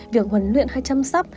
việc huấn luyện hay chăm sóc